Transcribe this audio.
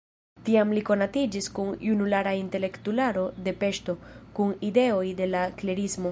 Tiam li konatiĝis kun junulara intelektularo de Peŝto, kun ideoj de la klerismo.